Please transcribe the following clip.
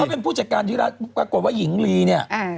เป็นผู้จัดการที่รัฐปรากฏว่าหญิงลีเนี่ย